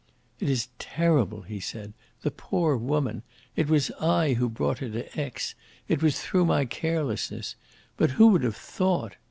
"It is terrible," he said. "The poor woman! It was I who brought her to Aix. It was through my carelessness. But who would have thought